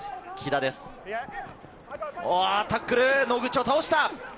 タックル、野口を倒した！